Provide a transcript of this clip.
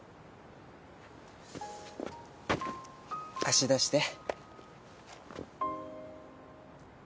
足出して。